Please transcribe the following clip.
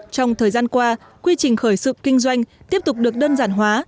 trong thời gian qua quy trình khởi sự kinh doanh tiếp tục được đơn giản hóa